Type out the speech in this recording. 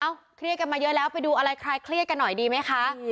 เครียดกันมาเยอะแล้วไปดูอะไรใครเครียดกันหน่อยดีไหมคะ